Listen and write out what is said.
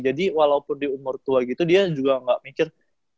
jadi walaupun di umur tua gitu dia juga gak mikir